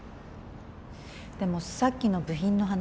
でもさっきの部品の話。